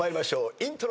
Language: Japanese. イントロ。